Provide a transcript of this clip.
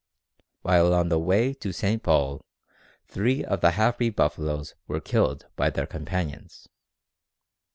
While on the way to St. Paul three of the half breed buffaloes were killed by their companions.